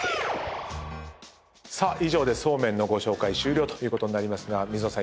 さあ以上でそうめんのご紹介終了ということになりますが水野さん